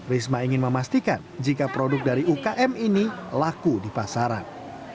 risma ingin memastikan jika produk dari ukm ini laku di pasaran